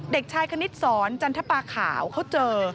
เด็กชายคณิตศรจันทปาขาวเขาเจอ